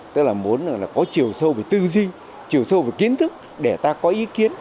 tức là muốn có chiều sâu về tư duy chiều sâu về kiến thức để ta có ý kiến